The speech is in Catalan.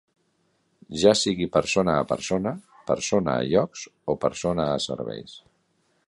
Ja sigui persona a persona, persona a llocs o persona a serveis.